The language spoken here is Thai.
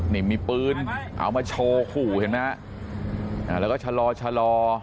นี่มีปืนเอามาโชว์ขู่เห็นไหมฮะอ่าแล้วก็ชะลอชะลอ